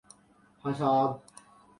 جمہوریہ ڈومینیکن